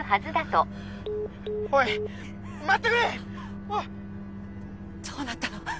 どうなったの？